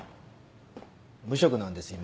無職なんです今。